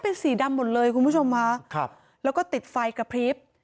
เป็นสีดำหมดเลยคุณผู้ชมค่ะครับแล้วก็ติดไฟกระพริบ